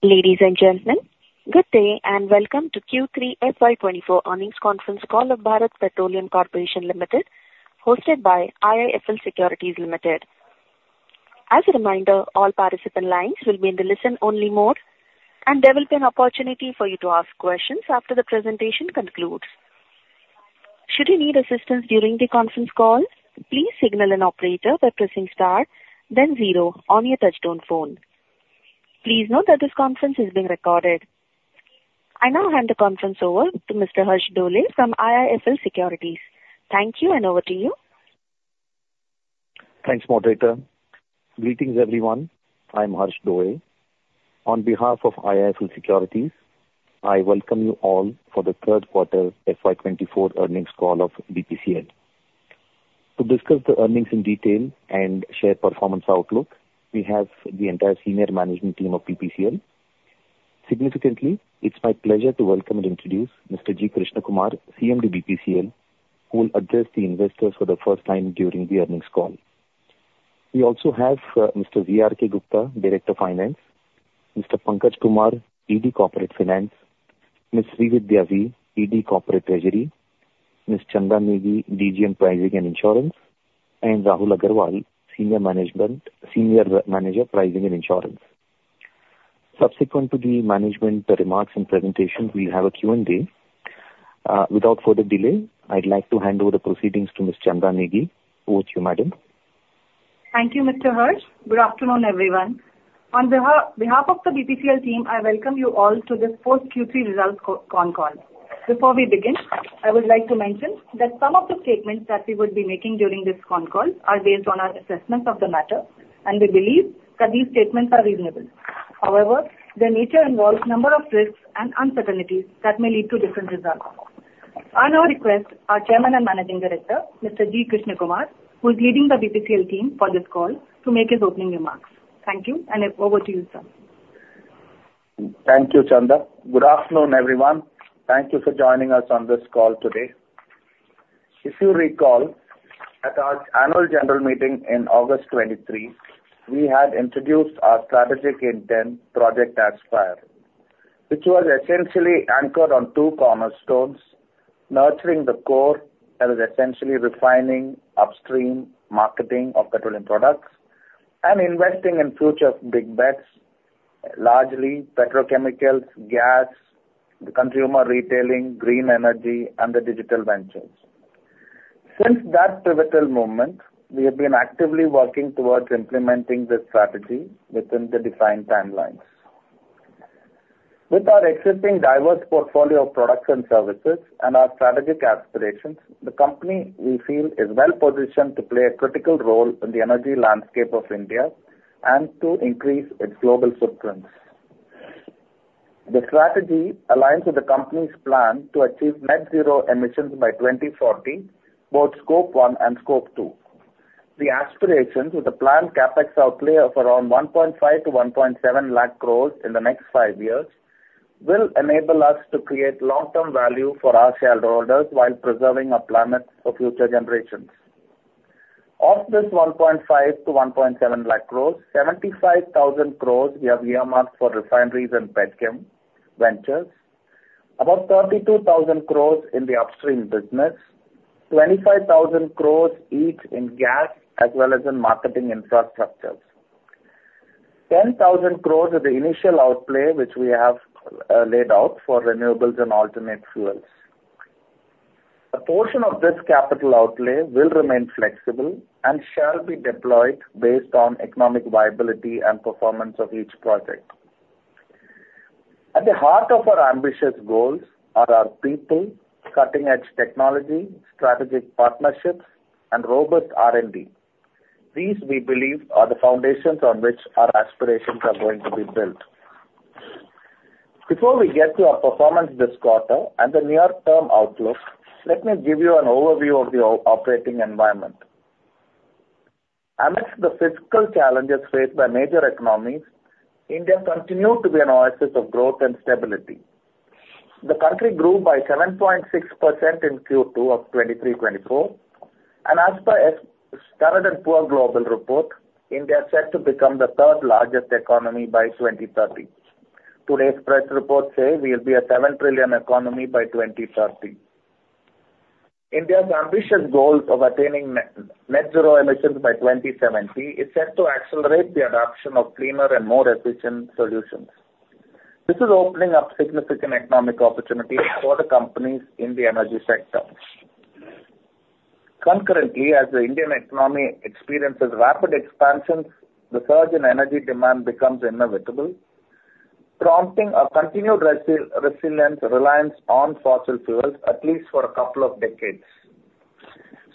Ladies and gentlemen, good day, and welcome to Q3 FY 2024 Earnings Conference Call of Bharat Petroleum Corporation Limited, hosted by IIFL Securities Limited. As a reminder, all participant lines will be in the listen-only mode, and there will be an opportunity for you to ask questions after the presentation concludes. Should you need assistance during the conference call, please signal an operator by pressing star, then zero on your touchtone phone. Please note that this conference is being recorded. I now hand the conference over to Mr. Harsh Dole from IIFL Securities. Thank you, and over to you. Thanks, moderator. Greetings, everyone. I'm Harsh Dole. On behalf of IIFL Securities, I welcome you all for the third quarter FY 2024 Earnings Call of BPCL. To discuss the earnings in detail and share performance outlook, we have the entire Senior Management team of BPCL. Significantly, it's my pleasure to welcome and introduce Mr. G. Krishnakumar, CMD, BPCL, who will address the investors for the first time during the earnings call. We also have Mr. V.R.K. Gupta, Director of Finance, Mr. Pankaj Kumar, ED Corporate Finance, Ms. Srividya V, ED Corporate Treasury, Ms. Chanda Negi, DGM Pricing and Insurance, and Rahul Agrawal, Senior Manager, Pricing and Insurance. Subsequent to the management remarks and presentation, we'll have a Q&A. Without further delay, I'd like to hand over the proceedings to Ms. Chanda Negi. Over to you, madam. Thank you, Mr. Harsh. Good afternoon, everyone. On behalf of the BPCL team, I welcome you all to this post Q3 results con call. Before we begin, I would like to mention that some of the statements that we will be making during this con call are based on our assessments of the matter, and we believe that these statements are reasonable. However, their nature involves number of risks and uncertainties that may lead to different results. On our request, our Chairman and Managing Director, Mr. G. Krishnakumar, who is leading the BPCL team for this call, to make his opening remarks. Thank you, and over to you, sir. Thank you, Chanda. Good afternoon, everyone. Thank you for joining us on this call today. If you recall, at our annual general meeting in August 2023, we had introduced our strategic intent, Project Aspire, which was essentially anchored on two cornerstones: nurturing the core, that is, essentially refining upstream marketing of petroleum products and investing in future big bets, largely petrochemicals, gas, consumer retailing, green energy, and the digital ventures. Since that pivotal moment, we have been actively working towards implementing this strategy within the defined timelines. With our existing diverse portfolio of products and services and our strategic aspirations, the company, we feel, is well positioned to play a critical role in the energy landscape of India and to increase its global footprint. The strategy aligns with the company's plan to achieve Net Zero emissions by 2040, both Scope 1 and Scope 2. The aspirations, with a planned CapEx outlay of around 1.5 lakh crore -1.7 lakh crore in the next five years, will enable us to create long-term value for our shareholders while preserving our planet for future generations. Of this 1.5 lakh crore-1.7 lakh crore, 75,000 crore we have earmarked for refineries and petchem ventures, about 32,000 crore in the upstream business, 25,000 crore each in gas as well as in marketing infrastructures. 10,000 crore is the initial outlay, which we have laid out for renewables and alternate fuels. A portion of this capital outlay will remain flexible and shall be deployed based on economic viability and performance of each project. At the heart of our ambitious goals are our people, cutting-edge technology, strategic partnerships, and robust R&D. These, we believe, are the foundations on which our aspirations are going to be built. Before we get to our performance this quarter and the near-term outlook, let me give you an overview of the operating environment. Amidst the fiscal challenges faced by major economies, India continued to be an oasis of growth and stability. The country grew by 7.6% in Q2 of 2023-2024, and as per Standard and Poor's Global report, India is set to become the third largest economy by 2030. Today's press reports say we will be a $7 trillion economy by 2030. India's ambitious goals of attaining net zero emissions by 2070 is set to accelerate the adoption of cleaner and more efficient solutions. This is opening up significant economic opportunities for the companies in the energy sector. Concurrently, as the Indian economy experiences rapid expansions, the surge in energy demand becomes inevitable, prompting a continued resilience, reliance on fossil fuels at least for a couple of decades.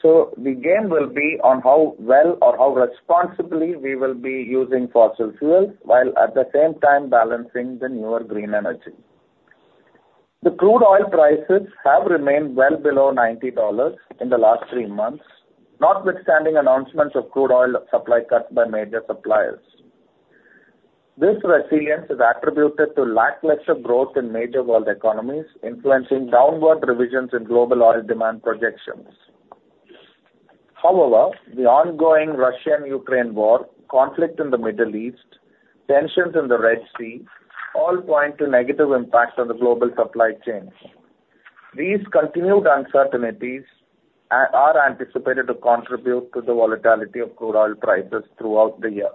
So the game will be on how well or how responsibly we will be using fossil fuels, while at the same time balancing the newer green energy. The crude oil prices have remained well below $90 in the last three months, notwithstanding announcements of crude oil supply cuts by major suppliers. This resilience is attributed to lackluster growth in major world economies, influencing downward revisions in global oil demand projections. However, the ongoing Russian-Ukraine war, conflict in the Middle East, tensions in the Red Sea, all point to negative impacts on the global supply chains. These continued uncertainties are anticipated to contribute to the volatility of crude oil prices throughout the year.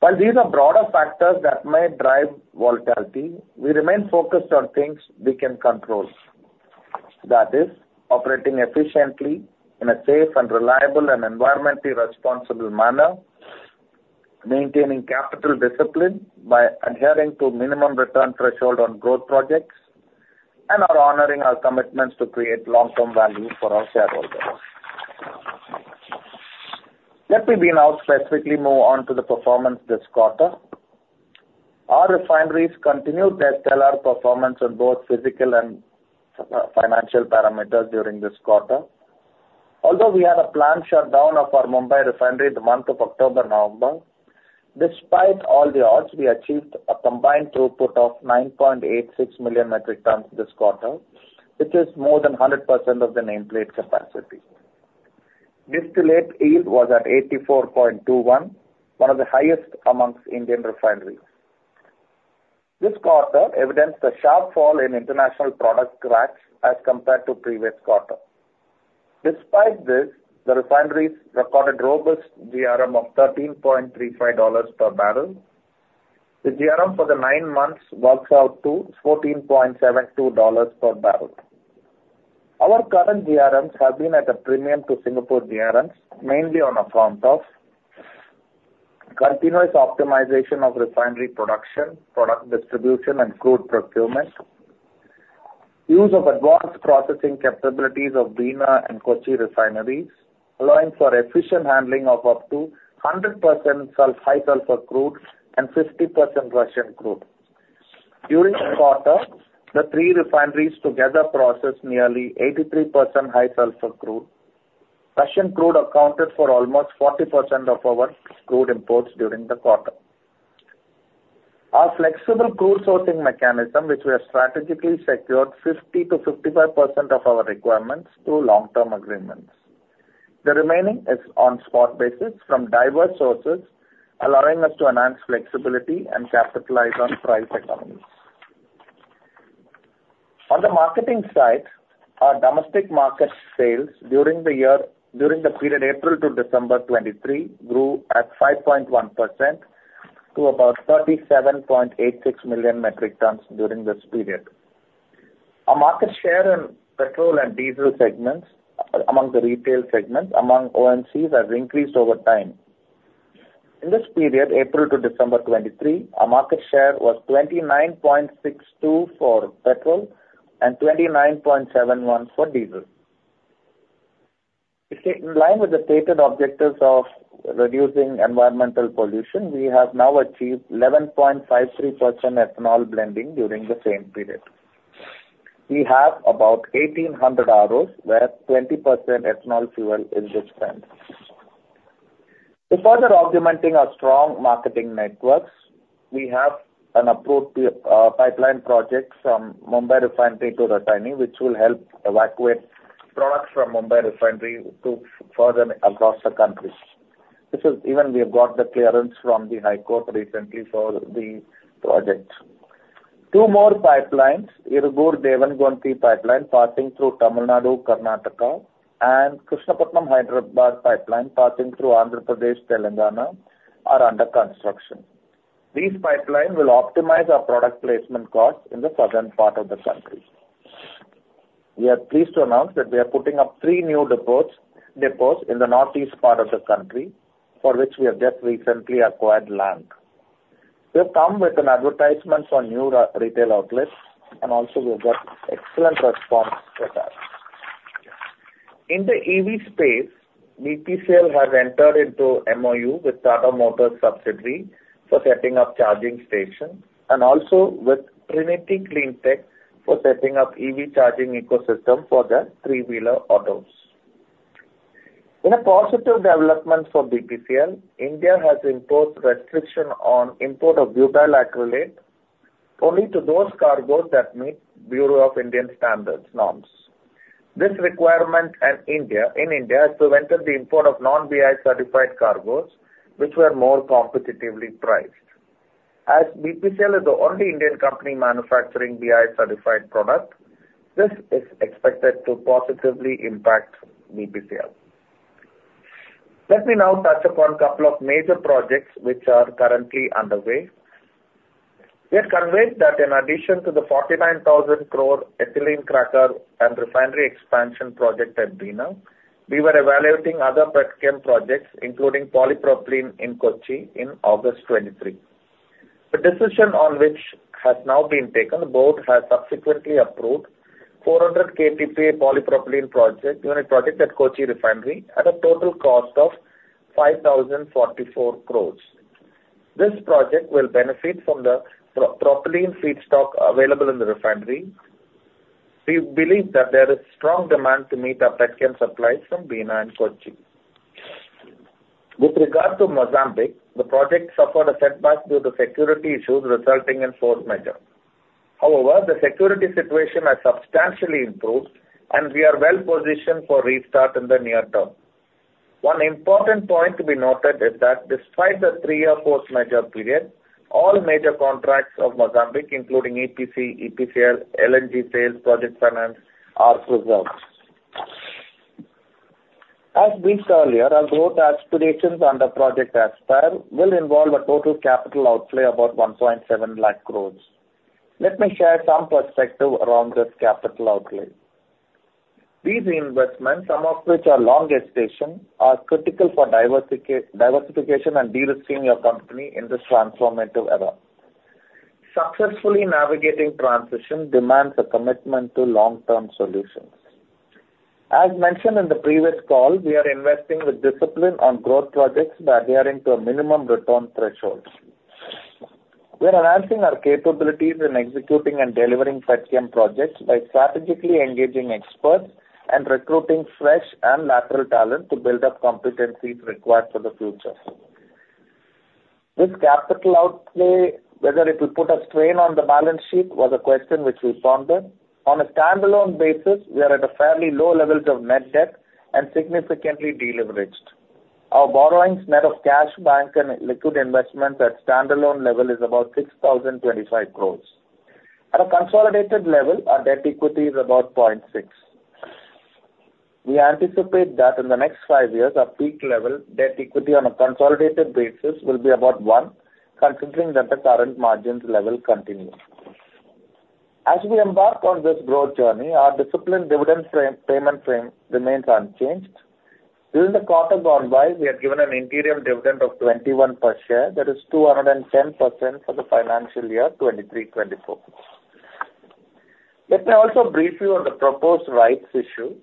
While these are broader factors that may drive volatility, we remain focused on things we can control. That is, operating efficiently in a safe and reliable and environmentally responsible manner, maintaining capital discipline by adhering to minimum return threshold on growth projects, and are honoring our commitments to create long-term value for our shareholders. Let me be now specifically move on to the performance this quarter. Our refineries continued their stellar performance on both physical and financial parameters during this quarter. Although we had a planned shutdown of our Mumbai refinery in the month of October, November, despite all the odds, we achieved a combined throughput of 9.86 million metric tons this quarter, which is more than 100% of the nameplate capacity. Distillate yield was at 84.21%, one of the highest amongst Indian refineries. This quarter evidenced a sharp fall in international product cracks as compared to previous quarter. Despite this, the refineries recorded robust GRM of $13.35 per barrel. The GRM for the nine months works out to $14.72 per barrel. Our current GRMs have been at a premium to Singapore GRMs, mainly on account of continuous optimization of refinery production, product distribution, and crude procurement, use of advanced processing capabilities of Bina and Kochi refineries, allowing for efficient handling of up to 100% sulfur-high sulfur crude and 50% Russian crude. During the quarter, the three refineries together processed nearly 83% high sulfur crude. Russian crude accounted for almost 40% of our crude imports during the quarter. Our flexible crude sourcing mechanism, which we have strategically secured 50%-55% of our requirements through long-term agreements. The remaining is on spot basis from diverse sources, allowing us to enhance flexibility and capitalize on price economies. On the marketing side, our domestic market sales during the year, during the period April to December 2023, grew at 5.1% to about 37.86 million metric tons during this period. Our market share in petrol and diesel segments, among the retail segments, among OMCs, has increased over time. In this period, April to December 2023, our market share was 29.62 for petrol and 29.71 for diesel. In line with the stated objectives of reducing environmental pollution, we have now achieved 11.53% ethanol blending during the same period. We have about 1,800 ROs, where 20% ethanol fuel is dispensed. To further augmenting our strong marketing networks, we have an approved pipeline project from Mumbai Refinery to Rasayani, which will help evacuate products from Mumbai Refinery to southern across the country. This is, even we have got the clearance from the High Court recently for the project. Two more pipelines, Irugur-Devangonthi pipeline, passing through Tamil Nadu, Karnataka, and Krishnapatnam-Hyderabad pipeline, passing through Andhra Pradesh, Telangana, are under construction. These pipelines will optimize our product placement costs in the southern part of the country. We are pleased to announce that we are putting up three new depots, depots in the northeast part of the country, for which we have just recently acquired land. We have come with an advertisements on new retail outlets, and also we've got excellent response with that. In the EV space, BPCL have entered into MoU with Tata Motors subsidiary for setting up charging stations, and also with Trinity Cleantech for setting up EV charging ecosystem for the three-wheeler autos. In a positive development for BPCL, India has imposed restriction on import of Butyl Acrylate only to those cargoes that meet Bureau of Indian Standards norms. This requirement at India, in India, has prevented the import of non-BI certified cargoes, which were more competitively priced. As BPCL is the only Indian company manufacturing BI-certified product, this is expected to positively impact BPCL. Let me now touch upon a couple of major projects which are currently underway. We have conveyed that in addition to the 49,000 crore ethylene cracker and refinery expansion project at Bina, we were evaluating other petchem projects, including polypropylene in Kochi in August 2023. The decision on which has now been taken, the board has subsequently approved 400 KPP polypropylene project, unit project at Kochi Refinery at a total cost of 5,044 crore. This project will benefit from the propylene feedstock available in the refinery. We believe that there is strong demand to meet our petchem supplies from Bina and Kochi. With regard to Mozambique, the project suffered a setback due to security issues resulting in force majeure. However, the security situation has substantially improved, and we are well-positioned for restart in the near term. One important point to be noted is that despite the three-year force majeure period, all major contracts of Mozambique, including EPC, EPCL, LNG sales, project finance, are preserved. As briefed earlier, our growth aspirations under Project Aspire will involve a total capital outlay about 1.5 lakh crore. Let me share some perspective around this capital outlay. These investments, some of which are long gestation, are critical for diversification and de-risking your company in this transformative era. Successfully navigating transition demands a commitment to long-term solutions. As mentioned in the previous call, we are investing with discipline on growth projects by adhering to a minimum return threshold. We are enhancing our capabilities in executing and delivering petchem projects by strategically engaging experts and recruiting fresh and lateral talent to build up competencies required for the future. This capital outlay, whether it will put a strain on the balance sheet, was a question which we pondered. On a standalone basis, we are at a fairly low levels of net debt and significantly deleveraged. Our borrowings, net of cash, bank, and liquid investments at standalone level is about 6,025 crore. At a consolidated level, our debt equity is about 0.6x. We anticipate that in the next five years, our peak level debt equity on a consolidated basis will be about 1x, considering that the current margins level continues. As we embark on this growth journey, our disciplined dividend framework, payment framework remains unchanged. During the quarter gone by, we have given an interim dividend of 21 per share. That is 210% for the financial year 2023-2024. Let me also brief you on the proposed rights issue.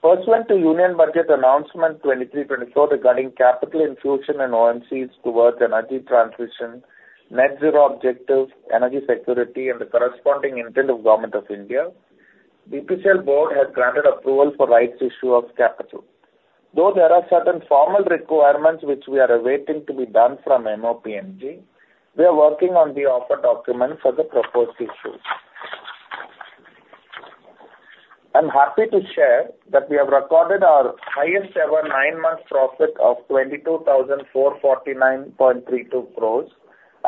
Pursuant to Union Budget announcement 2023-2024, regarding capital infusion and OMCs towards energy transition, net zero objective, energy security, and the corresponding intent of Government of India, the Board has granted approval for rights issue of capital. Though there are certain formal requirements which we are awaiting to be done from MoPNG, we are working on the offer document for the proposed issue. I'm happy to share that we have recorded our highest ever nine-month profit of 22,449.32 crore,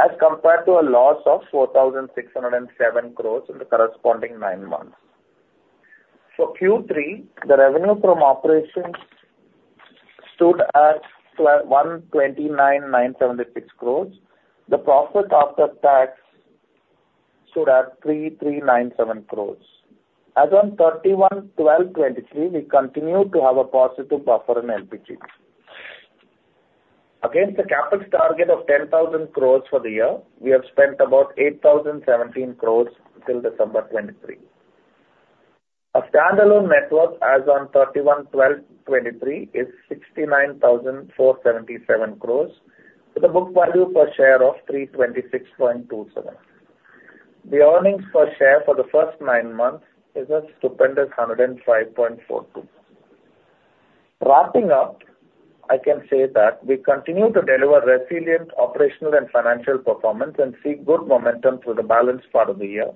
as compared to a loss of 4,607 crore in the corresponding nine months. For Q3, the revenue from operations stood at 129,976 crore. The profit after tax stood at 3,397 crore. As on 31 December 2023, we continue to have a positive buffer in LPG. Against the capital target of 10,000 crore for the year, we have spent about 8,017 crore till December 2023. Our standalone net worth as on 31 December 2023 is 69,477 crore, with a book value per share of 326.27. The earnings per share for the first nine months is a stupendous 105.42. Wrapping up, I can say that we continue to deliver resilient operational and financial performance, and see good momentum through the balance part of the year.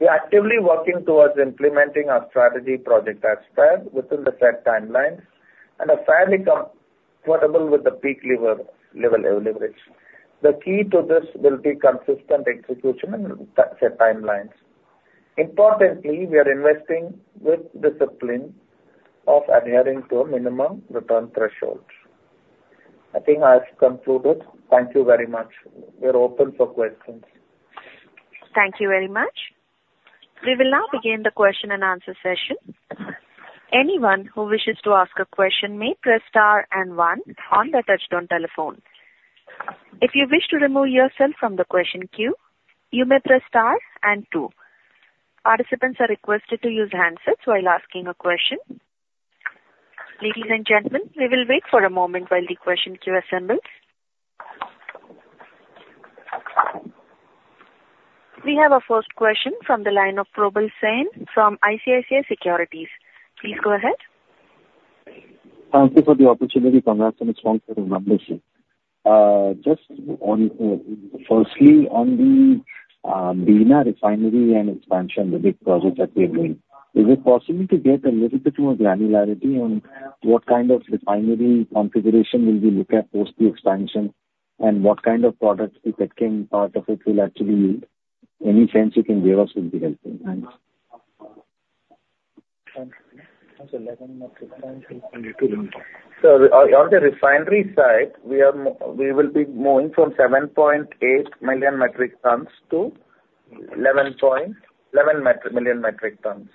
We are actively working towards implementing our strategy Project Aspire within the set timelines, and are fairly comfortable with the peak leverage level. The key to this will be consistent execution and set timelines. Importantly, we are investing with discipline of adhering to a minimum return threshold. I think I have concluded. Thank you very much. We are open for questions. Thank you very much. We will now begin the question and answer session. Anyone who wishes to ask a question may press star and one on the touch-tone telephone. If you wish to remove yourself from the question queue, you may press star and two. Participants are requested to use handsets while asking a question. Ladies and gentlemen, we will wait for a moment while the question queue assembles. We have our first question from the line of Probal Sen from ICICI Securities. Please go ahead. Thank you for the opportunity. Congratulations on your numbers. Just on, firstly, on the Bina Refinery and expansion, the big project that we are doing, is it possible to get a little bit more granularity on what kind of refinery configuration will we look at post the expansion? And what kind of products, if it came out of it, will actually, any sense you can give us will be helpful. Thanks. On the refinery side, we will be moving from 7.8 million metric tons to 11 million metric tons.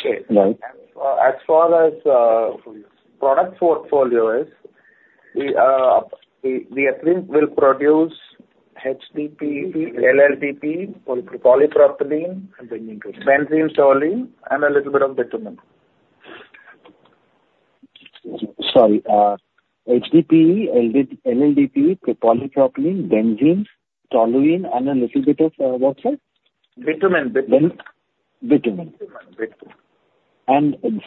Okay. As far as product portfolio is, we at least will produce HDPE, LLDPE, polypropylene, and then benzene, toluene, and a little bit of bitumen. Sorry, HDPE, LLDPE, Polypropylene, Benzene, Toluene, and a little bit of, what, sir? Bitumen. Bitumen. Bitumen.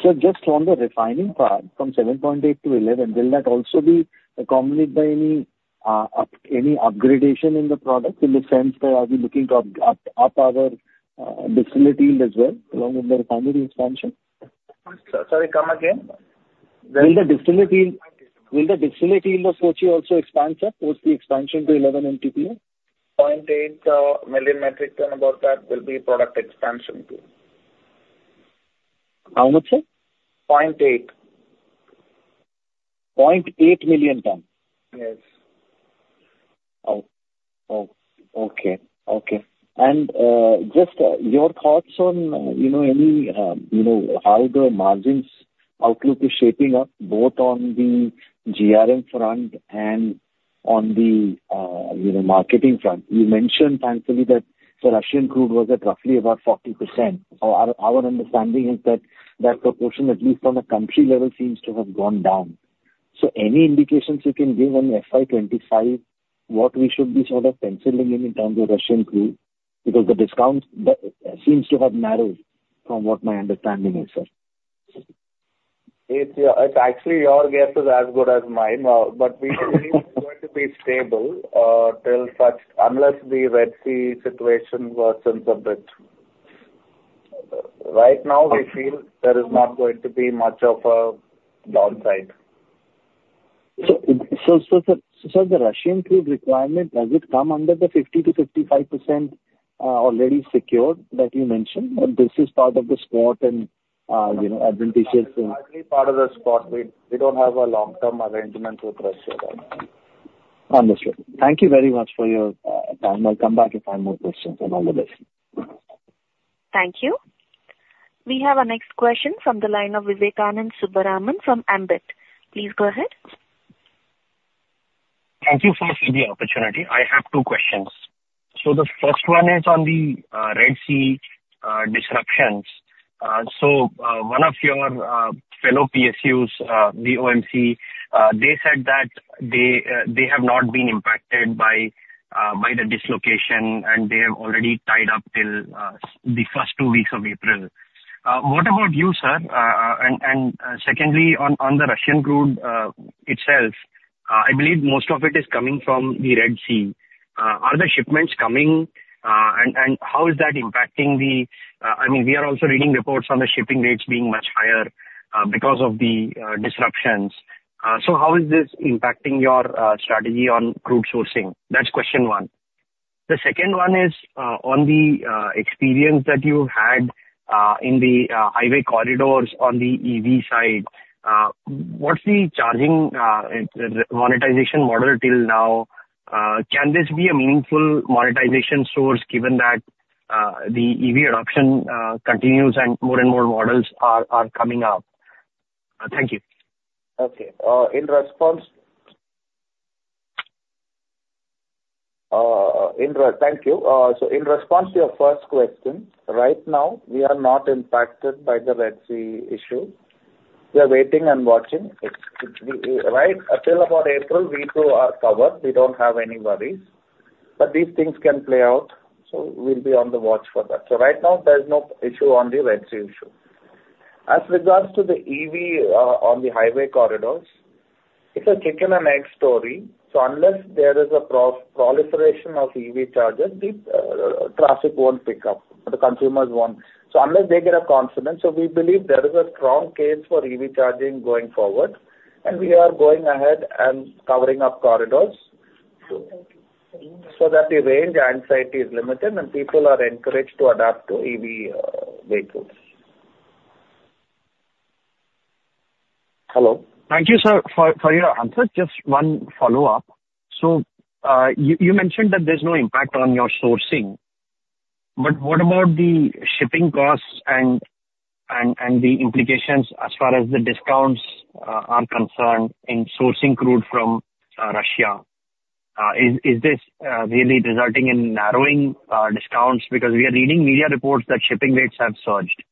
So just on the refining part, from 7.8 MMTPA to 11 MMTPA, will that also be accompanied by any upgradation in the product, in the sense that are we looking to upgrade our distillate yield as well, along with the refinery expansion? Sorry, come again? Will the distillate yield, will the distillate yield of Kochi also expand, sir, post the expansion to 11 MMTPA? 0.8 MT, about that will be product expansion too. How much, sir? 0.8 MT. 0.8 MT? Yes. Oh, okay. Okay. And, just, your thoughts on, you know, any, you know, how the margins outlook is shaping up, both on the GRM front and on the, you know, marketing front. You mentioned thankfully that the Russian crude was at roughly about 40%. Our, our understanding is that that proportion, at least from a country level, seems to have gone down. So any indications you can give on FY 2025, what we should be sort of penciling in in terms of Russian crude? Because the discounts seems to have narrowed from what my understanding is, sir. It's actually your guess is as good as mine. But we believe it's going to be stable till, unless the Red Sea situation worsens a bit. Right now, we feel there is not going to be much of a downside. Sir, the Russian crude requirement, does it come under the 50%-55% already secured that you mentioned? Or this is part of the spot and, you know, adventitious. Partly, part of the spot. We don't have a long-term arrangement with Russia right now. Understood. Thank you very much for your time. I'll come back with one more question. All the best. Thank you. We have our next question from the line of Vivekananda Subbaraman from Ambit. Please go ahead. Thank you so much for the opportunity. I have two questions. The first one is on the Red Sea disruptions. One of your fellow PSUs, the OMC, they said that they have not been impacted by the dislocation, and they have already tied up till the first two weeks of April. What about you, sir? And secondly, on the Russian crude itself, I believe most of it is coming from the Red Sea. Are the shipments coming, and how is that impacting the, I mean, we are also reading reports on the shipping rates being much higher because of the disruptions. So how is this impacting your strategy on crude sourcing? That's question one. The second one is on the experience that you had in the highway corridors on the EV side. What's the charging monetization model till now? Can this be a meaningful monetization source, given that the EV adoption continues and more and more models are coming up? Thank you. Okay. So in response to your first question, right now, we are not impacted by the Red Sea issue. We are waiting and watching. It's right until about April, we too are covered. We don't have any worries, but these things can play out, so we'll be on the watch for that. So right now, there's no issue on the Red Sea issue. As regards to the EV, on the highway corridors, it's a chicken and egg story, so unless there is a proliferation of EV chargers, the traffic won't pick up, the consumers won't. So unless they get a confidence, so we believe there is a strong case for EV charging going forward, and we are going ahead and covering up corridors, so that the range anxiety is limited and people are encouraged to adapt to EV, vehicles. Hello? Thank you, sir, for your answer. Just one follow-up. So, you mentioned that there's no impact on your sourcing, but what about the shipping costs and the implications as far as the discounts are concerned in sourcing crude from Russia? Is this really resulting in narrowing discounts? Because we are reading media reports that shipping rates have surged.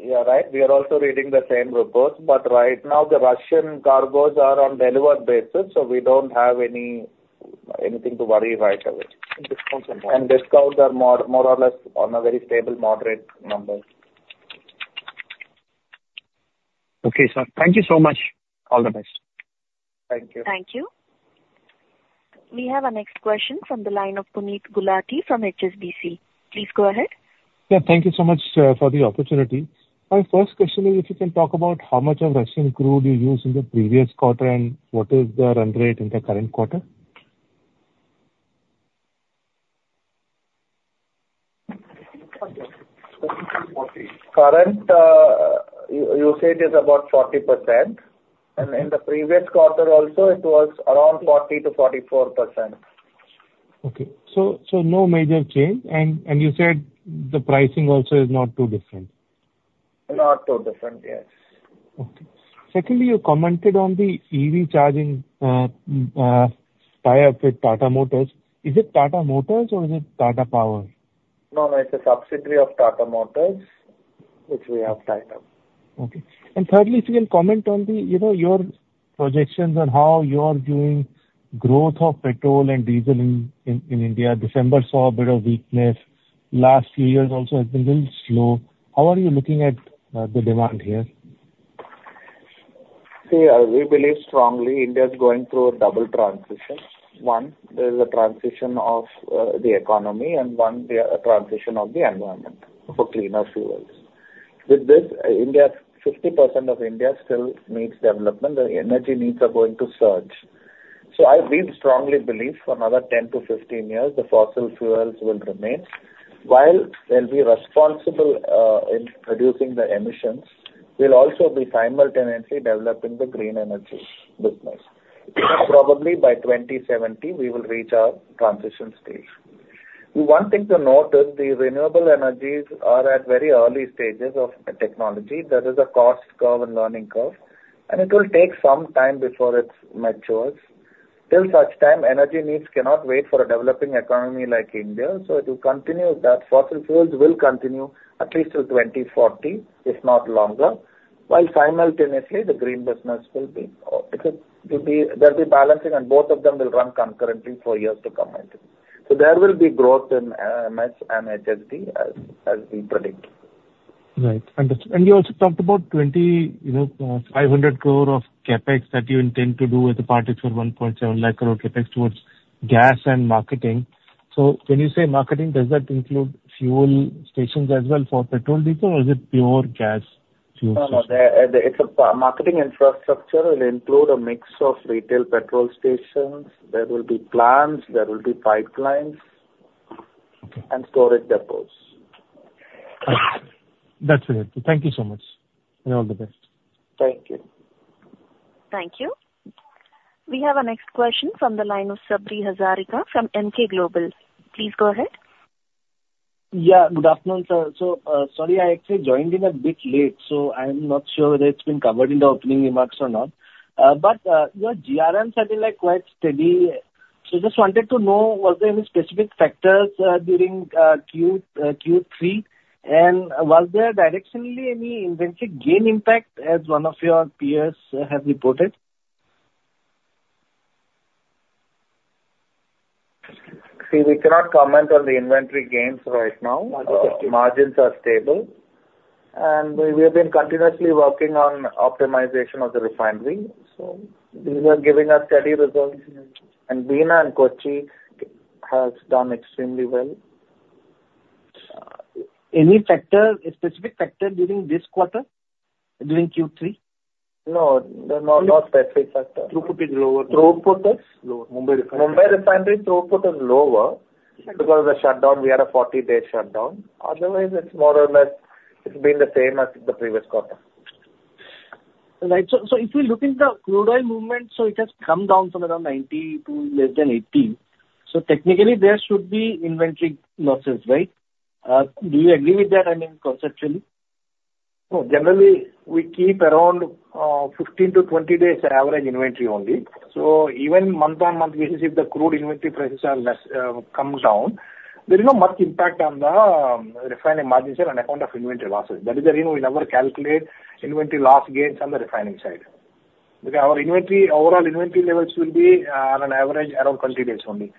You are right. We are also reading the same reports, but right now, the Russian cargoes are on delivered basis, so we don't have anything to worry right away. Discounts are more. Discounts are more, more or less on a very stable, moderate number. Okay, sir. Thank you so much. All the best. Thank you. Thank you. We have our next question from the line of Puneet Gulati from HSBC. Please go ahead. Yeah, thank you so much for the opportunity. My first question is, if you can talk about how much of Russian crude you used in the previous quarter, and what is the run rate in the current quarter? Current usage is about 40%, and in the previous quarter also, it was around 40%-44%. Okay. So, so no major change. And, and you said the pricing also is not too different? Not too different, yes. Okay. Secondly, you commented on the EV charging tie-up with Tata Motors. Is it Tata Motors or is it Tata Power? No, no, it's a subsidiary of Tata Motors which we have tied up. Okay. And thirdly, if you can comment on the, you know, your projections on how you are doing growth of petrol and diesel in India. December saw a bit of weakness. Last few years also has been a little slow. How are you looking at the demand here? See, we believe strongly India is going through a double transition. One, there is a transition of, the economy, and one, the transition of the environment for cleaner fuels. With this, India, 50% of India still needs development, the energy needs are going to surge. So, we strongly believe for another 10-15 years, the fossil fuels will remain. While we'll be responsible, in reducing the emissions, we'll also be simultaneously developing the green energy business. Probably by 2017, we will reach our transition stage. One thing to note is the renewable energies are at very early stages of the technology. There is a cost curve and learning curve, and it will take some time before it matures. Till such time, energy needs cannot wait for a developing economy like India, so to continue that, fossil fuels will continue at least till 2040, if not longer, while simultaneously the green business will be, it will be, there'll be balancing, and both of them will run concurrently for years to come, I think. So there will be growth in MS and HSD, as we predict. Right. And you also talked about 2,500 crore of CapEx that you intend to do as a part of your 1.7 lakh crore CapEx towards gas and marketing. So when you say marketing, does that include fuel stations as well for petrol, diesel, or is it pure gas fuel stations? No, no. The marketing infrastructure will include a mix of retail petrol stations. There will be plants, there will be pipelines and storage depots. That's it. Thank you so much, and all the best. Thank you. Thank you. We have our next question from the line of Sabri Hazarika from Emkay Global. Please go ahead. Yeah, good afternoon, sir. So, sorry, I actually joined in a bit late, so I'm not sure if it's been covered in the opening remarks or not. But, your GRMs have been, like, quite steady. So just wanted to know, was there any specific factors during Q3? And was there directionally any inventory gain impact as one of your peers have reported? See, we cannot comment on the inventory gains right now. Understood. Margins are stable, and we have been continuously working on optimization of the refinery, so these are giving us steady results. Bina and Kochi has done extremely well. Any factor, a specific factor during this quarter, during Q3? No, no, not specific factor. Throughput is lower. Throughput is Mumbai refinery throughput is lower because of the shutdown. We had a 40-day shutdown. Otherwise, it's more or less, it's been the same as the previous quarter. Right. So, so if you look into the crude oil movement, so it has come down from around $90 to less than $80. So technically, there should be inventory losses, right? Do you agree with that, I mean, conceptually? No. Generally, we keep around 15-20 days average inventory only. So even month-on-month basis, if the crude inventory prices are less, comes down, there is not much impact on the refining margins and account of inventory losses. That is the reason we never calculate inventory loss gains on the refining side. Because our inventory, overall inventory levels will be, on an average, around 20 days only.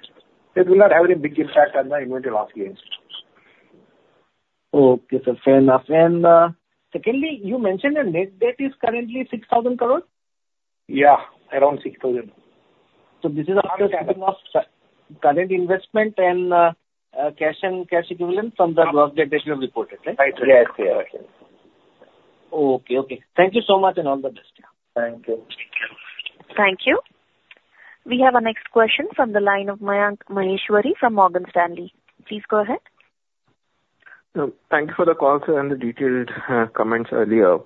It will not have any big impact on the inventory loss gains. Okay, sir. Fair enough. And, secondly, you mentioned the net debt is currently 6,000 crore? Yeah, around 6,000 crore. So this is all the capital of current investment and cash and cash equivalent from the gross debt that you have reported, right? Yes, yes. Okay. Okay. Thank you so much, and all the best. Thank you. Thank you. We have our next question from the line of Mayank Maheshwari from Morgan Stanley. Please go ahead. Thank you for the call, sir, and the detailed comments earlier.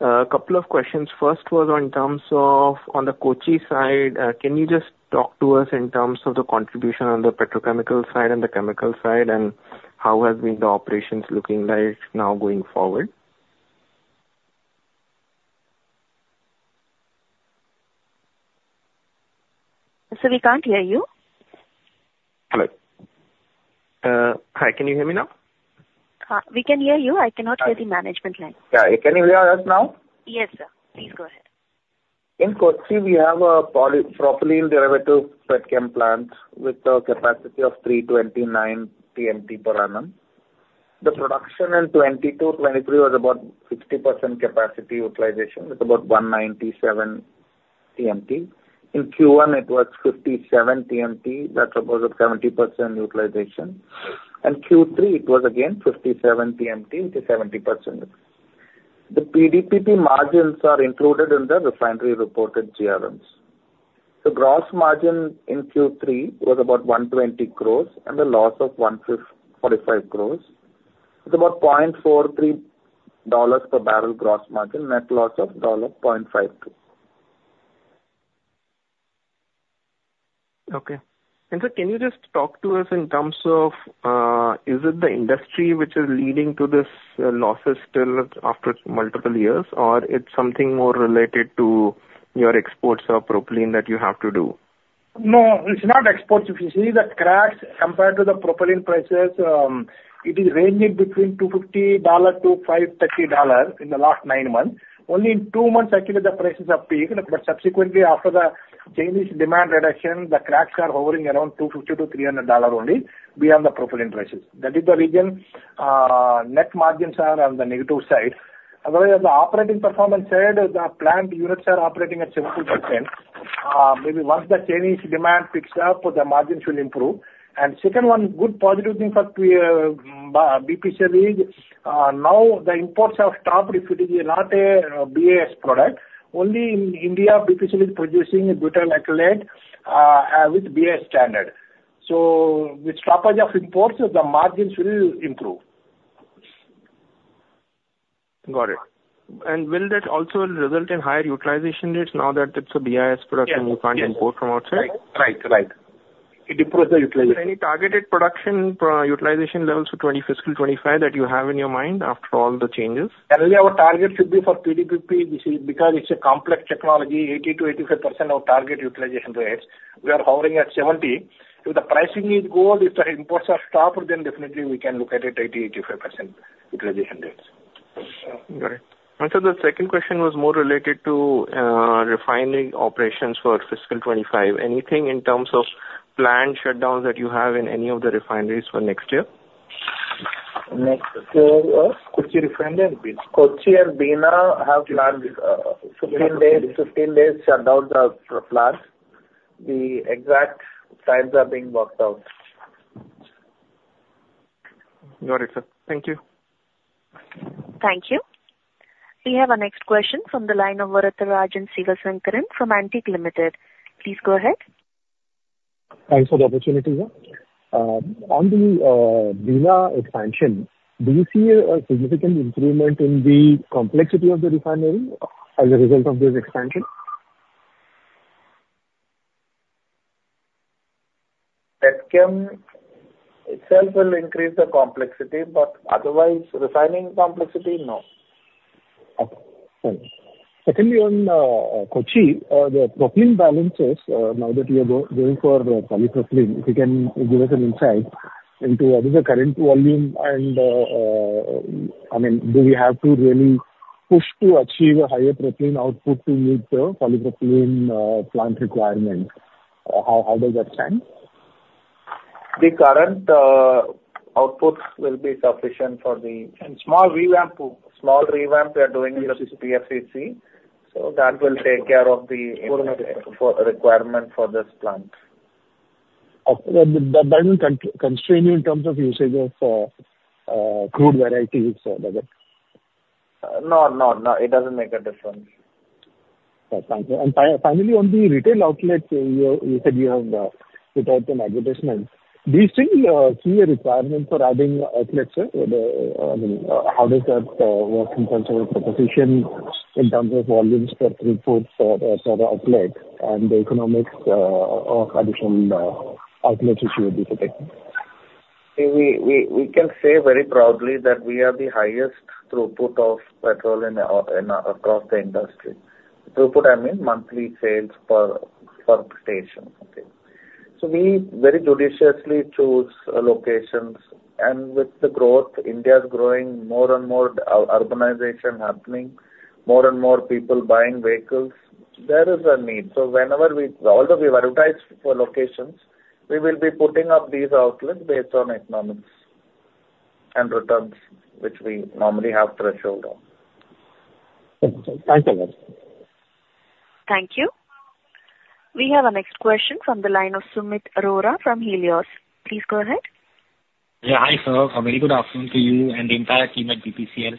A couple of questions. First was on terms of, on the Kochi side, can you just talk to us in terms of the contribution on the petrochemical side and the chemical side, and how has been the operations looking like now going forward? Sir, we can't hear you. Hello? Hi, can you hear me now? We can hear you. I cannot hear the Management line. Yeah. Can you hear us now? Yes, sir. Please go ahead. In Kochi, we have a polypropylene derivative petchem plant with a capacity of 329 TMT per annum. The production in 2022-2023 was about 60% capacity utilization, with about 197 TMT. In Q1, it was 57 TMT, that's about 70% utilization. Q3, it was again 57 TMT, which is 70%. The PDPP margins are included in the refinery reported GRMs. The gross margin in Q3 was about 120 crore and a loss of 45 crore. It's about $0.43 per barrel gross margin, net loss of $0.52. Okay. And sir, can you just talk to us in terms of, is it the industry which is leading to this losses still after multiple years, or it's something more related to your exports of propylene that you have to do? No, it's not exports. If you see the cracks compared to the propylene prices, it is ranging between $250-$530 in the last nine months. Only in two months actually, the prices are peaked, but subsequently after the Chinese demand reduction, the cracks are hovering around $250-$300 only beyond the propylene prices. That is the reason, net margins are on the negative side. Otherwise, as the operating performance said, the plant units are operating at 70%. Maybe once the Chinese demand picks up, the margins will improve. And second one, good positive thing for BPCL is now the imports have stopped. If it is not a BIS product, only in India, BPCL is producing Butyl Acrylate with BIS standard. So with stoppage of imports, the margins will improve. Got it. Will that also result in higher utilization rates now that it's a BIS product? Yes. And you can't import from outside? Right. Right. It improves the utilization. Any targeted production, utilization levels for fiscal 25 that you have in your mind after all the changes? Currently, our target should be for PDPP. This is because it's a complex technology, 80%-85% of target utilization rates. We are hovering at 70%. If the pricing is good, if the imports are stopped, then definitely we can look at it 80%-85% utilization rates. Got it. And so the second question was more related to refining operations for fiscal 2025. Anything in terms of planned shutdowns that you have in any of the refineries for next year? Next year? Kochi Refinery and Bina. Kochi and Bina have planned 15 days, 15 days shutdown of the plants. The exact times are being worked out. Got it, sir. Thank you. Thank you. We have our next question from the line of Varatharajan Sivasankaran from Antique Limited. Please go ahead. Thanks for the opportunity, sir. On the Bina expansion, do you see a significant improvement in the complexity of the refinery as a result of this expansion? Petchem itself will increase the complexity, but otherwise, refining complexity, no. Okay, thanks. Secondly, on Kochi, the propylene balances, now that you are going for polypropylene, if you can give us an insight into what is the current volume and, I mean, do we have to really push to achieve a higher propylene output to meet the polypropylene plant requirements? How does that stand? The current outputs will be sufficient for the- Small revamp too. Small revamp we are doing in the PFCC, so that will take care of the requirement for this plant. Okay. But that doesn't constrain you in terms of usage of crude varieties or whether? No, no, no, it doesn't make a difference. Okay, thank you. And finally, on the retail outlets, you said you have put out an advertisement. Do you still see a requirement for adding outlets, sir? I mean, how does that work in terms of the proposition, in terms of volumes per throughput for the outlet and the economics of additional outlets which you would be taking? We can say very proudly that we are the highest throughput of petrol in across the industry. Throughput, I mean monthly sales per station, okay? So we very judiciously choose locations, and with the growth, India is growing, more and more urbanization happening, more and more people buying vehicles, there is a need. So whenever we, although we advertise for locations, we will be putting up these outlets based on economics and returns, which we normally have threshold on. Thank you, sir. Thank you very much. Thank you. We have our next question from the line of Sumit Arora from Helios. Please go ahead. Yeah. Hi, sir, a very good afternoon to you and the entire team at BPCL.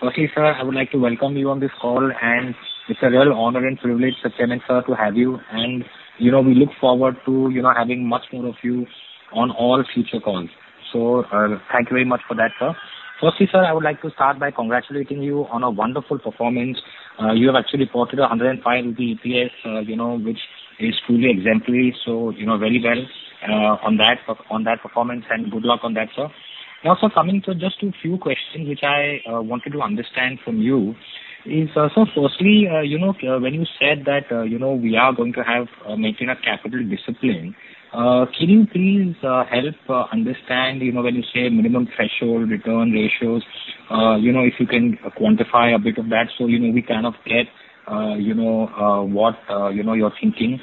Firstly, sir, I would like to welcome you on this call, and it's a real honor and privilege, Krishnakumar, sir, to have you. And, you know, we look forward to, you know, having much more of you on all future calls. So, thank you very much for that, sir. Firstly, sir, I would like to start by congratulating you on a wonderful performance. You have actually reported 105 rupees EPS, you know, which is truly exemplary. So, you know, very well on that performance, and good luck on that, sir. Now, sir, coming to just a few questions which I wanted to understand from you is, so firstly, you know, when you said that, you know, we are going to have maintain a capital discipline, can you please help understand, you know, when you say minimum threshold return ratios, you know, if you can quantify a bit of that so, you know, we kind of get, you know, what you know, you're thinking?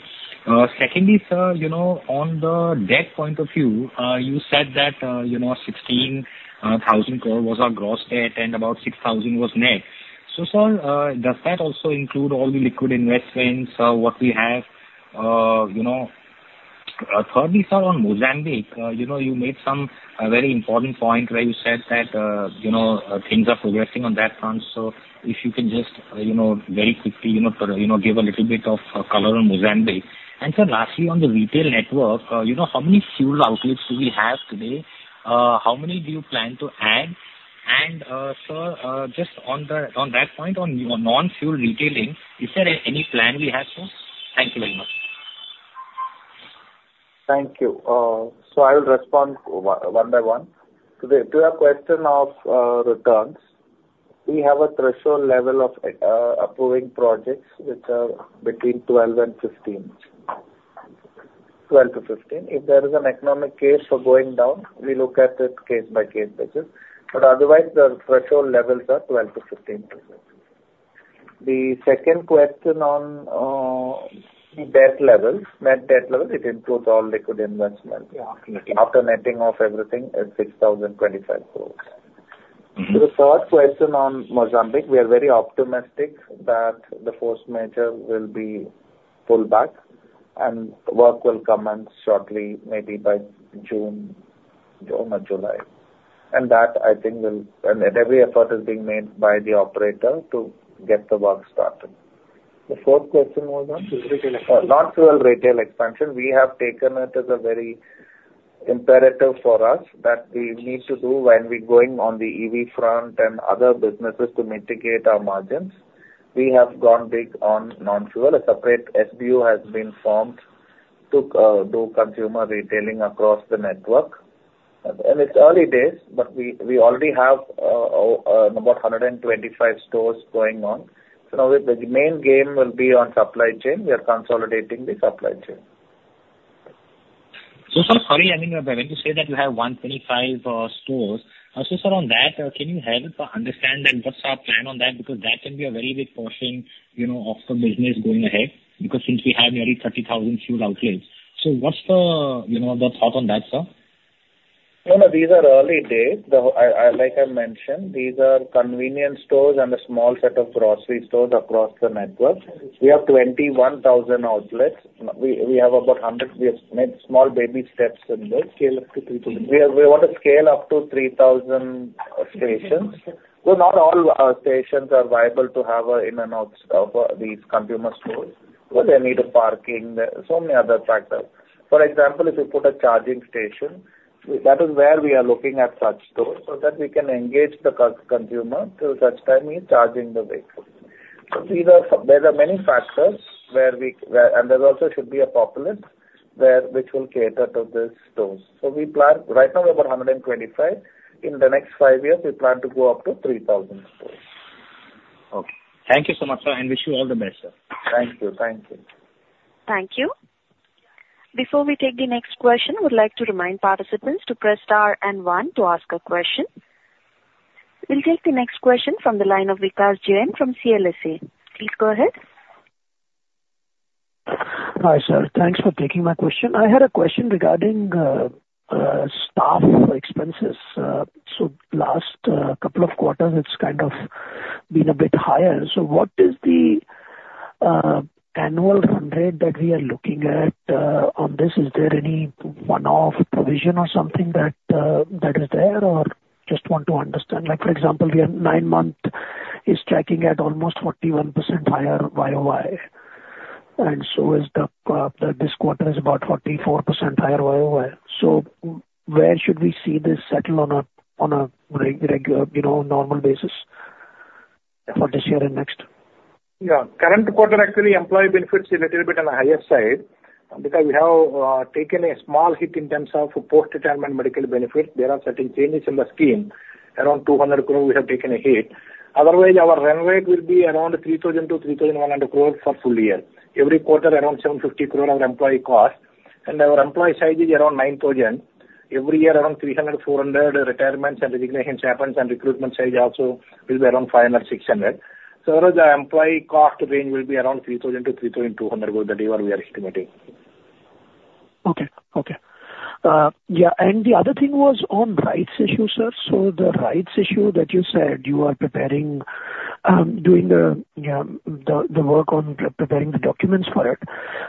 Secondly, sir, you know, on the debt point of view, you said that, you know, 16,000 crore was our gross debt and about 6,000 crore was net. So, sir, does that also include all the liquid investments, what we have, you know? Thirdly, sir, on Mozambique, you know, you made some very important point where you said that, you know, things are progressing on that front. So if you can just, you know, very quickly, you know, you know, give a little bit of color on Mozambique. And sir, lastly, on the retail network, you know, how many fuel outlets do we have today? How many do you plan to add? And, sir, just on that point, on non-fuel retailing, is there any plan we have, sir? Thank you very much. Thank you. So I will respond one by one. To your question of returns, we have a threshold level of approving projects which are between 12% and 15%. 12%-15%. If there is an economic case for going down, we look at it case by case basis, but otherwise the threshold levels are 12%-15%. The second question on debt levels, net debt levels, it includes all liquid investment. After netting off everything, it's 6,025 crore. The third question on Mozambique, we are very optimistic that the force majeure will be pulled back and work will commence shortly, maybe by June or mid-July. And that, I think, will—and every effort is being made by the operator to get the work started. The fourth question was on? Non-fuel retail expansion. Non-fuel retail expansion. We have taken it as a very imperative for us that we need to do when we're going on the EV front and other businesses to mitigate our margins. We have gone big on non-fuel. A separate SBU has been formed to do consumer retailing across the network. And it's early days, but we, we already have about 125 stores going on. So now the, the main game will be on supply chain. We are consolidating the supply chain. So sir, sorry, I mean, when you say that you have 125 stores, so sir, on that, can you help understand then what's our plan on that? Because that can be a very big portion, you know, of the business going ahead, because since we have nearly 30,000 fuel outlets. So what's the, you know, the thought on that, sir? No, no, these are early days. The, I like I mentioned, these are convenience stores and a small set of grocery stores across the network. We have 21,000 outlets. We have about 100, we have made small baby steps in this. Scale up to 3,000. We, we want to scale up to 3,000 stations, but not all stations are viable to have a in and out of these consumer stores. Well, they need a parking, so many other factors. For example, if you put a charging station, that is where we are looking at such stores, so that we can engage the consumer till such time he's charging the vehicle. So these are. There are many factors where we. And there also should be a populace there, which will cater to the stores. So we plan, right now we're about 125. In the next five years, we plan to go up to 3,000 stores. Okay. Thank you so much, sir, and wish you all the best, sir. Thank you. Thank you. Thank you. Before we take the next question, I would like to remind participants to press star and one to ask a question. We'll take the next question from the line of Vikash Jain from CLSA. Please go ahead. Hi, sir. Thanks for taking my question. I had a question regarding staff expenses. So last couple of quarters, it's kind of been a bit higher. So what is the annual run rate that we are looking at on this? Is there any one-off provision or something that is there? Or just want to understand, like, for example, we have nine months is tracking at almost 41% higher YoY, and so is this quarter is about 44% higher YoY. So where should we see this settle on a regular, you know, normal basis for this year and next? Yeah. Current quarter, actually, employee benefits is a little bit on the higher side, because we have taken a small hit in terms of post-retirement medical benefits. There are certain changes in the scheme. Around 200 crore, we have taken a hit. Otherwise, our run rate will be around 3,000 crore-3,100 crore for full year. Every quarter, around 750 crore of employee cost, and our employee size is around 9,000. Every year, around 300-400 retirements and resignations happens, and recruitment size also will be around 500 crore-600 crore. So the employee cost range will be around 3,000-3,200 crore, that year we are estimating. Okay. Okay. Yeah, and the other thing was on rights issue, sir. So the rights issue that you said you are preparing, doing, yeah, the work on preparing the documents for it.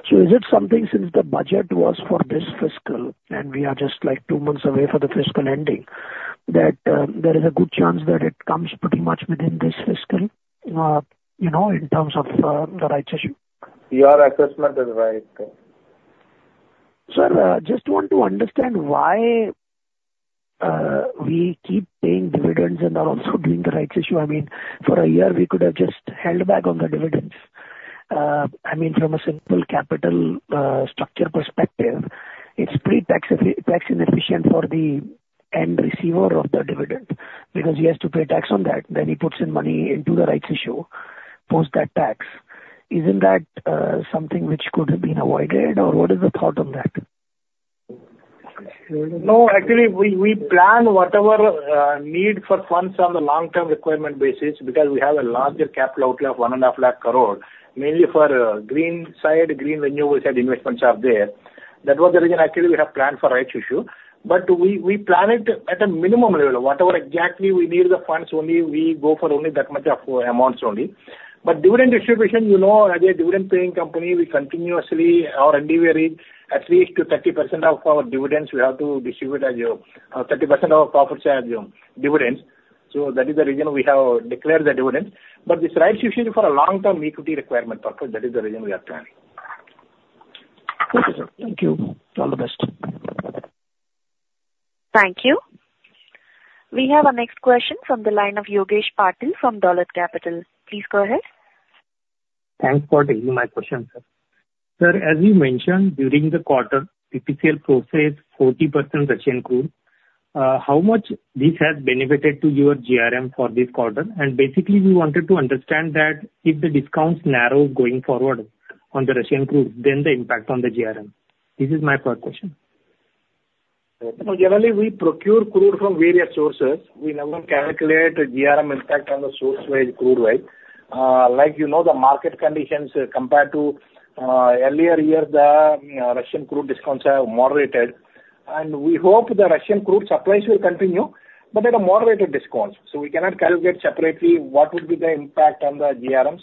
So is it something, since the budget was for this fiscal, and we are just, like, two months away for the fiscal ending, that there is a good chance that it comes pretty much within this fiscal, you know, in terms of the rights issue? Your assessment is right, sir. Sir, just want to understand why we keep paying dividends and are also doing the rights issue. I mean, for a year we could have just held back on the dividends. I mean, from a simple capital structure perspective, it's pretty tax inefficient for the end receiver of the dividend, because he has to pay tax on that, then he puts in money into the rights issue, post that tax. Isn't that something which could have been avoided, or what is the thought on that? No, actually, we, we plan whatever need for funds on the long-term requirement basis, because we have a larger capital outlay of 1.5 lakh crore, mainly for green side, green renewable side investments are there. That was the reason actually we have planned for rights issue. But we, we plan it at a minimum level. Whatever exactly we need the funds only, we go for only that much of amounts only. But dividend distribution, you know, as a dividend paying company, we continuously, our dividend rate, at least to 30% of our dividends, we have to distribute as your 30% of our profits as dividends. So that is the reason we have declared the dividend. But this rights issue is for a long-term equity requirement purpose. That is the reason we are planning. Okay, sir. Thank you. All the best. Thank you. We have our next question from the line of Yogesh Patil from Dolat Capital. Please go ahead. Thanks for taking my question, sir. Sir, as you mentioned, during the quarter, BPCL processed 40% Russian crude. How much this has benefited to your GRM for this quarter? And basically, we wanted to understand that if the discounts narrow going forward on the Russian crude, then the impact on the GRM. This is my first question. So generally, we procure crude from various sources. We never calculate the GRM impact on the source wide crude, right? Like, you know, the market conditions compared to earlier years, the Russian crude discounts have moderated, and we hope the Russian crude supplies will continue, but at a moderated discount. So we cannot calculate separately what would be the impact on the GRMs,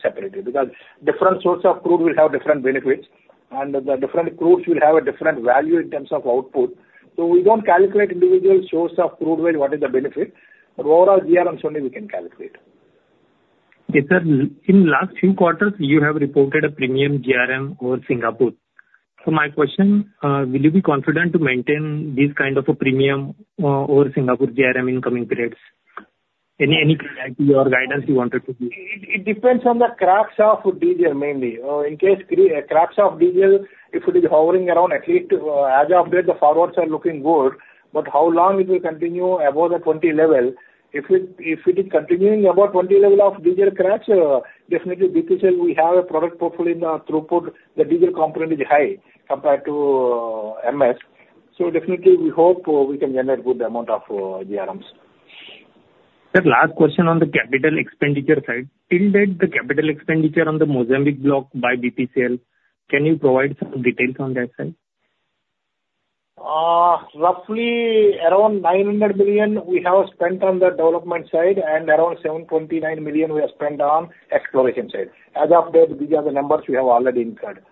separately, because different source of crude will have different benefits, and the different crudes will have a different value in terms of output. So we don't calculate individual source of crude where, what is the benefit, but overall GRM only we can calculate. Yes, sir. In last few quarters, you have reported a premium GRM over Singapore. So my question, will you be confident to maintain this kind of a premium, over Singapore GRM in coming periods? Any guidance you wanted to give. It depends on the cracks of diesel, mainly. In case cracks of diesel, if it is hovering around at least, as of date, the forwards are looking good, but how long it will continue above the 20 level? If it is continuing above 20 level of diesel cracks, definitely BPCL, we have a product portfolio in our throughput. The diesel component is high compared to MS. So definitely, we hope we can generate good amount of GRMs. The last question on the capital expenditure side. Till date, the capital expenditure on the Mozambique block by BPCL, can you provide some details on that side? Roughly around 900 million we have spent on the development side, and around 729 million we have spent on exploration side. As of date, these are the numbers we have already incurred.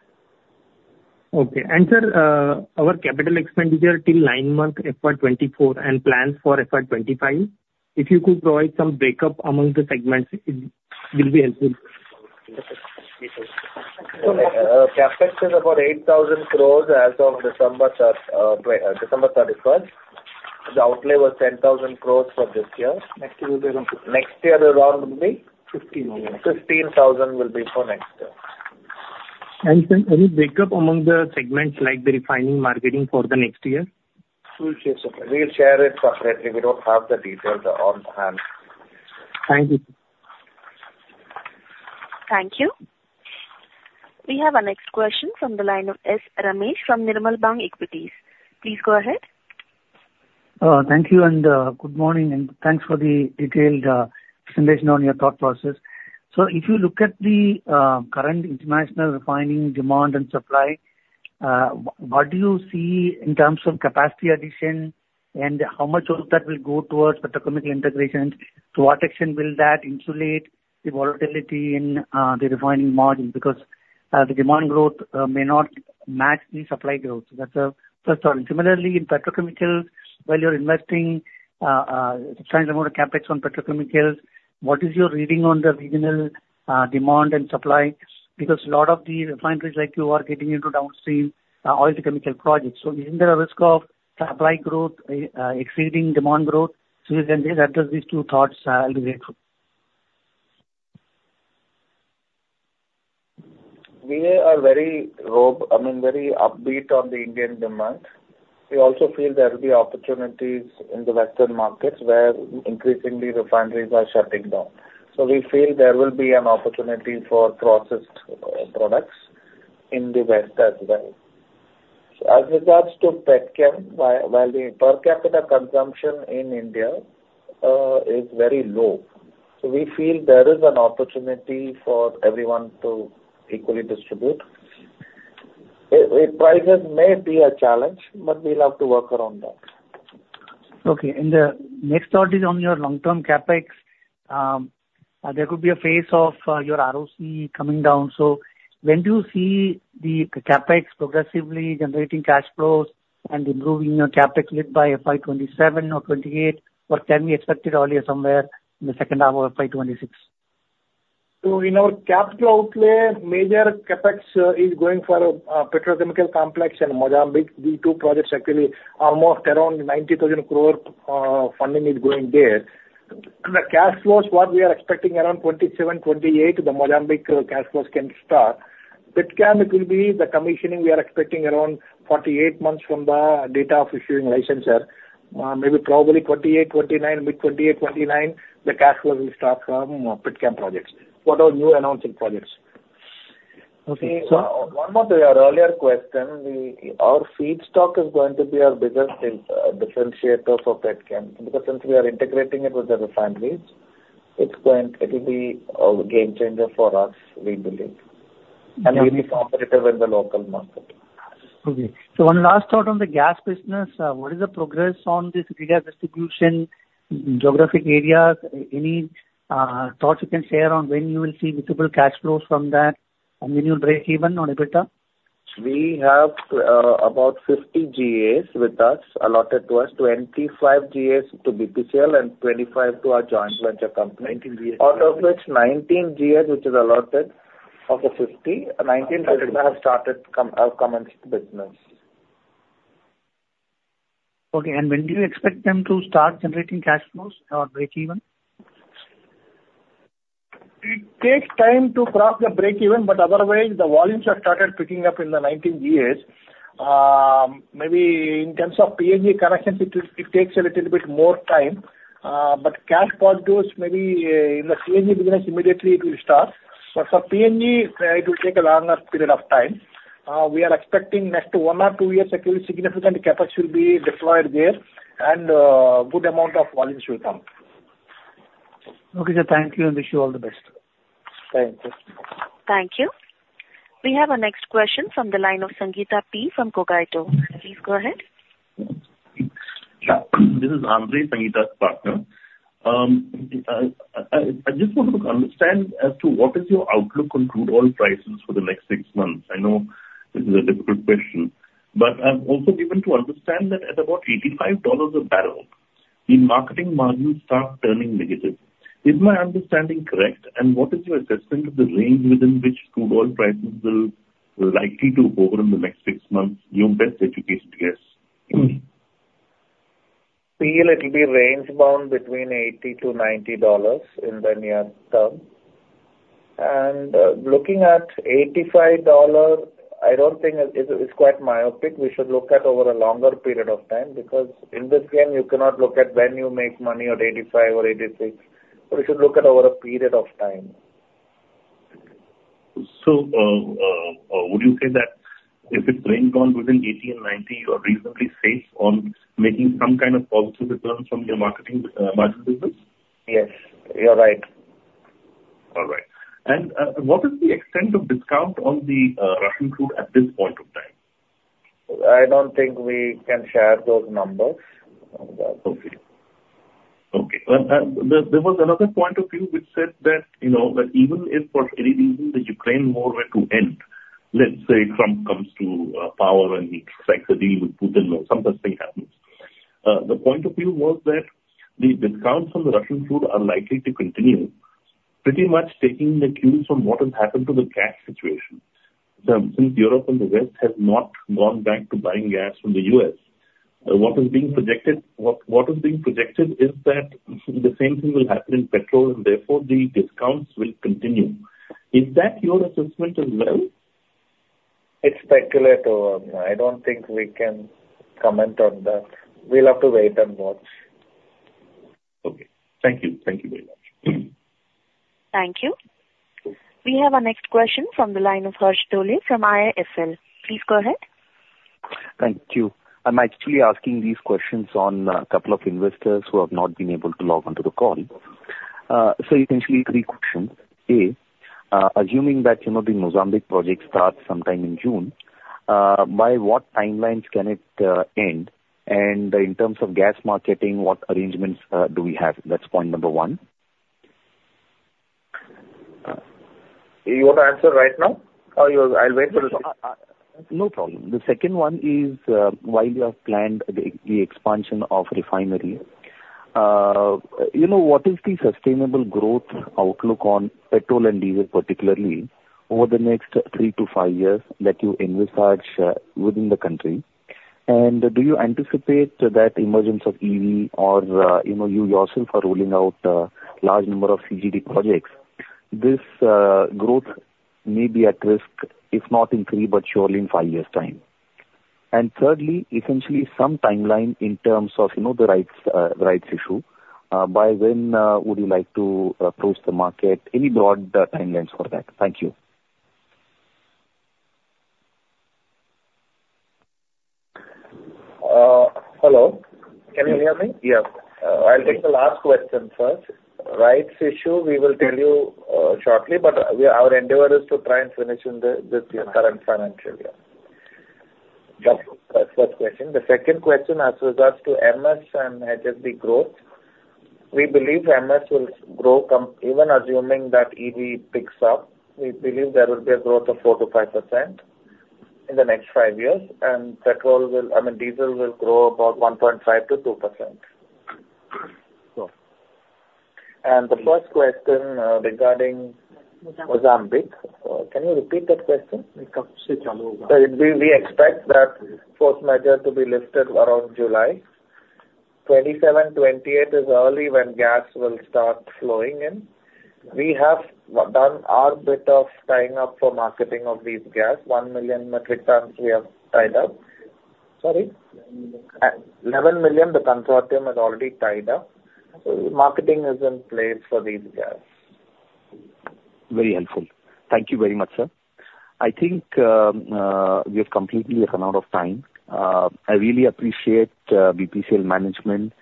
Okay. And sir, our capital expenditure till nine months, FY 2024 and plans for FY 2025, if you could provide some breakup among the segments, it will be helpful. CapEx is about 8,000 crore as of December 31st. The outlay was 10,000 crore for this year. Next year will be around. Next year around will be? 15,000 crore. 15,000 crore will be for next year. Sir, any breakup among the segments like the refining, marketing for the next year? We'll share, sir. We'll share it separately. We don't have the details on hand. Thank you. Thank you. We have our next question from the line of S. Ramesh from Nirmal Bang Equities. Please go ahead. Thank you and good morning, and thanks for the detailed presentation on your thought process. So if you look at the current international refining demand and supply, what do you see in terms of capacity addition, and how much of that will go towards petrochemical integrations? To what extent will that insulate the volatility in the refining margin? Because the demand growth may not match the supply growth. So that's first one. Similarly, in petrochemical, while you're investing, trying to promote CapEx on petrochemicals, what is your reading on the regional demand and supply? Because a lot of the refineries like you are getting into downstream oil to chemical projects. So isn't there a risk of supply growth exceeding demand growth? So if you can please address these two thoughts, I'll be grateful. We are very, I mean, very upbeat on the Indian demand. We also feel there will be opportunities in the Western markets, where increasingly refineries are shutting down. So we feel there will be an opportunity for processed products in the West as well. So as regards to Petchem, while the per capita consumption in India is very low, so we feel there is an opportunity for everyone to equally distribute. Prices may be a challenge, but we'll have to work around that. Okay, and the next thought is on your long-term CapEx. There could be a phase of your ROC coming down, so when do you see the CapEx progressively generating cash flows and improving your CapEx lead by FY 2027 or 2028, or can we expect it earlier, somewhere in the second half of FY 2026? In our capital outlay, major CapEx is going for petrochemical complex and Mozambique. These two projects actually, almost around 90,000 crore funding is going there. The cash flows, what we are expecting around 2027-2028, the Mozambique cash flows can start. Petchem, it will be the commissioning we are expecting around 48 months from the date of issuing license there. Maybe probably 2028-2029, mid-2028-2029, the cash flow will start from petchem projects. What are new announced projects? Okay, sir. One more to your earlier question, Our feedstock is going to be our biggest differentiator for petchem, because since we are integrating it with the refineries, it's going—it'll be a game changer for us, we believe. Okay. We'll be competitive in the local market. Okay. So one last thought on the gas business. What is the progress on this gas distribution, geographical areas? Any thoughts you can share on when you will see visible cash flows from that, and when you'll break even on EBITDA? We have about 50 GAs with us, allotted to us, 25 GAs to BPCL and 25 GAs to our joint venture company. 19 GAs. Out of which, 19 GAs out of the 50 GAs, 19 GAs have started, have commenced the business. Okay, and when do you expect them to start generating cash flows or breakeven? It takes time to cross the breakeven, but otherwise, the volumes have started picking up in the 19 GAs. Maybe in terms of PNG connections, it takes a little bit more time, but cash positives maybe in the CNG business, immediately it will start. But for PNG, it will take a longer period of time. We are expecting next one or two years, there will be significant capacity will be deployed there, and good amount of volumes will come. Okay, sir. Thank you, and wish you all the best. Thank you. Thank you. We have our next question from the line of Sangita P. from Cogito. Please go ahead. Yeah. This is Andrey, Sangita's partner. I just wanted to understand as to what is your outlook on crude oil prices for the next six months? I know this is a difficult question, but I've also given to understand that at about $85 a barrel, the marketing margins start turning negative. Is my understanding correct? And what is your assessment of the range within which crude oil prices will likely to hover in the next six months? Your best educated guess. We feel it'll be range bound between $80-$90 in the near term. Looking at $85, I don't think it is quite myopic. We should look at over a longer period of time, because in this game, you cannot look at when you make money at $85 or $86, but we should look at over a period of time. Would you say that if it's range bound within $80-$90, you are reasonably safe on making some kind of positive returns from your marketing margin business? Yes, you're right. All right. What is the extent of discount on the Russian crude at this point of time? I don't think we can share those numbers. Okay. Okay, there was another point of view which said that, you know, that even if for any reason, the Ukraine war were to end, let's say Trump comes to power and he strikes a deal with Putin or some such thing happens. The point of view was that the discounts on the Russian crude are likely to continue, pretty much taking the cues from what has happened to the gas situation. Since Europe and the West have not gone back to buying gas from the U.S., what is being projected is that the same thing will happen in petrol, and therefore, the discounts will continue. Is that your assessment as well? It's speculative. I don't think we can comment on that. We'll have to wait and watch. Okay. Thank you. Thank you very much. Thank you. We have our next question from the line of Harsh Dole from IIFL. Please go ahead. Thank you. I'm actually asking these questions on a couple of investors who have not been able to log onto the call. So essentially three questions. A, assuming that, you know, the Mozambique project starts sometime in June, by what timelines can it end? And, in terms of gas marketing, what arrangements do we have? That's point number one. You want to answer right now, or you're, I'll wait for the. No problem. The second one is, while you have planned the expansion of refinery, you know, what is the sustainable growth outlook on petrol and diesel, particularly, over the next three to five years that you envisage, within the country? And do you anticipate that emergence of EV or, you know, you yourself are rolling out a large number of CGD projects, this growth may be at risk, if not in three, but surely in five years time. And thirdly, essentially some timeline in terms of, you know, the rights issue. By when would you like to approach the market? Any broad timelines for that? Thank you. Hello, can you hear me? Yes. I'll take the last question first. Rights issue, we will tell you shortly, but our endeavor is to try and finish in this current financial year. That's the first question. The second question, as regards to MS and HSD growth, we believe MS will grow even assuming that EV picks up, we believe there will be a growth of 4%-5% in the next 5 years, and petrol will I mean, diesel will grow about 1.5%-2%. Cool. The first question regarding Mozambique. Can you repeat that question? We expect that force majeure to be lifted around July 2027. 2028 is early, when gas will start flowing in. We have done our bit of tying up for marketing of these gas. 1 million metric tons we have tied up. Sorry? 11 million, the consortium has already tied up. So marketing is in place for these guys. Very helpful. Thank you very much, sir. I think, we have completely run out of time. I really appreciate, BPCL management,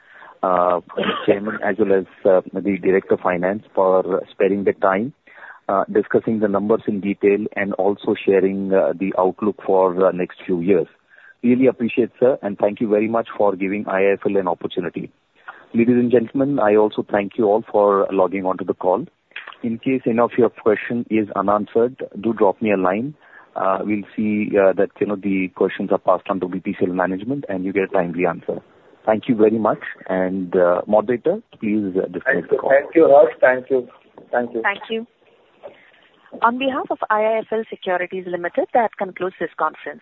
Chairman, as well as, the Director of Finance for sparing the time, discussing the numbers in detail and also sharing, the outlook for the next few years. Really appreciate, sir, and thank you very much for giving IIFL an opportunity. Ladies and gentlemen, I also thank you all for logging on to the call. In case any of your question is unanswered, do drop me a line. We'll see, that, you know, the questions are passed on to BPCL management, and you get a timely answer. Thank you very much. And, moderator, please disconnect the call. Thank you, Harsh. Thank you. Thank you. Thank you. On behalf of IIFL Securities Limited, that concludes this conference.